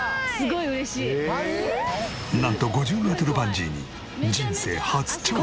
なんと５０メートルバンジーに人生初挑戦！